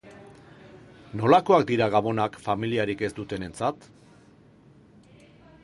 Nolakoak dira gabonak familiarik ez dutenentzat?